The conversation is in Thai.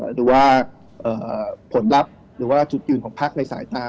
หรือว่าผลลัพธ์หรือว่าจุดยืนของพักในสายตา